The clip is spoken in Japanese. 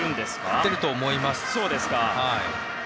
投げていると思います。